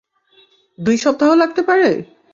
দুই সপ্তাহ লাগতে পারে?